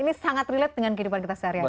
ini sangat relate dengan kehidupan kita seharian